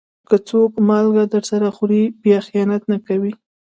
که څوک مالګه درسره وخوري، بیا خيانت نه کوي.